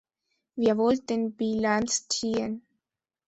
Wir wollten Bilanz ziehen.